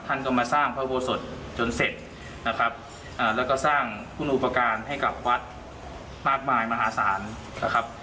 ท่านก็มาสร้างพระอุโบสถจนเสร็จนะครับแล้วก็สร้างคุณอุปการณ์ให้กับวัดมากมายมหาศาลนะครับ